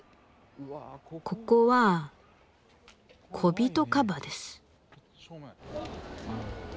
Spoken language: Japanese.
ここはコビトカバです。